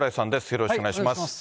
よろしくお願いします。